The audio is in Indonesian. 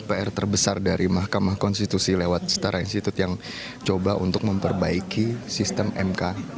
pr terbesar dari mahkamah konstitusi lewat setara institut yang coba untuk memperbaiki sistem mk